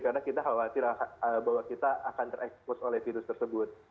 karena kita khawatir bahwa kita akan terekspos oleh virus tersebut